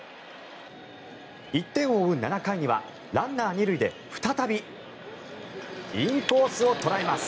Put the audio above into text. １点を追う７回にはランナー２塁で再びインコースを捉えます。